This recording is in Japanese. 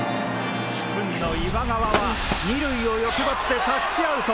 殊勲の今川は２塁を欲張ってタッチアウト！